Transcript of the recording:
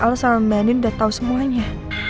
ala salah membayarin udah tau semuanya